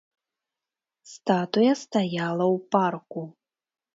Статуя стаяла ў парку.